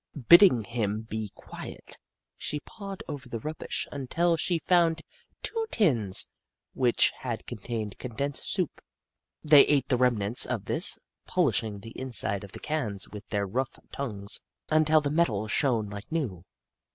Bidding him be quiet, she pawed over the rubbish until she found two tins which had contained condensed soup. They ate the remnants of this, polish ing the inside of the cans with their rough tongues until the metal shone like new.